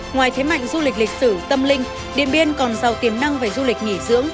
ngoài thế mạnh du lịch lịch sử tâm linh điện biên còn giàu tiềm năng về du lịch nghỉ dưỡng